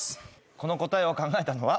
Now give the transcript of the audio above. この答えを考えたのは。